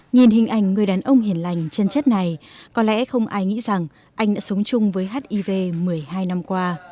nhìn hình ảnh người đàn ông hiền lành chân chất này có lẽ không ai nghĩ rằng anh đã sống chung với hiv một mươi hai năm qua